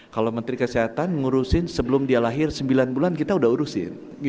kalau menteri kesehatan ngurusin sebelum dia lahir sembilan bulan kita udah urusin